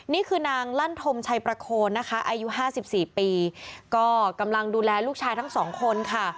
นี่คือนางลั่นธมชัยประโคนนะคะอายุ๕๔ปีก็กำลังดูแลลูกชายทั้งสองคนค่ะ